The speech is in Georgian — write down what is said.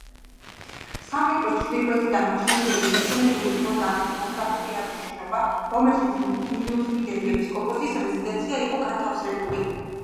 სამრეკლოს ჩრდილოეთიდან მიშენებული ჰქონდა ხის ორსართულიანი შენობა, რომელშიც ნინოწმინდელი ეპისკოპოსის რეზიდენცია იყო განთავსებული.